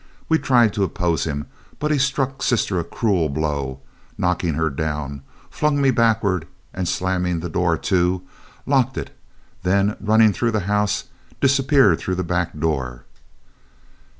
We tried to oppose him, but he struck sister a cruel blow, knocking her down, flung me backward, and slamming the door to, locked it; then running through the house, disappeared through the back door.